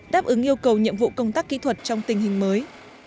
đáp ứng yêu cầu nhiệm vụ công tác kỹ thuật trong tình hình mới